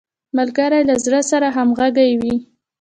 ملګری له زړه سره همږغی وي